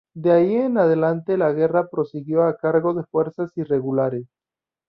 De ahí en adelante la guerra prosiguió a cargo de fuerzas irregulares.